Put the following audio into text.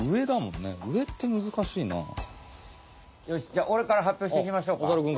よしじゃあおれからはっぴょうしていきましょうか。